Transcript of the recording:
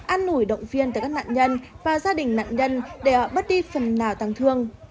an ủi động viên tới các nạn nhân và gia đình nạn nhân để họ bất đi phần nào tăng thương